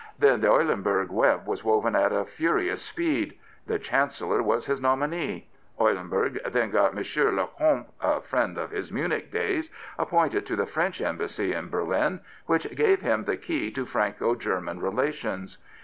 Then the Eulen burg web was woven at a furious speed. The Chan cellor was his nominee. Eulenburg then got M. Lecomte, a friend of his Munich days, appointed to the French Embassy in Berlin, which gave him the key to Franco German relations.